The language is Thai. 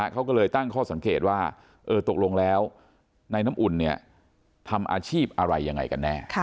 เขาก็เลยตั้งข้อสังเกตว่าตกลงแล้วในน้ำอุ่นทำอาชีพอะไรยังไงกันแน่